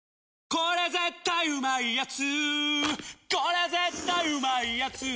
これ絶対うまいやつ」